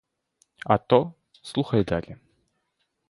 А то — слухай далі.